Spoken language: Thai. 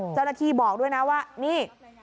เจ้าหน้าที่บอกด้วยนะว่านี่